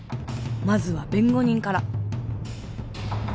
まずは弁護人から。